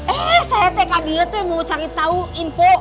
eh saya tkd itu yang mau cari tahu info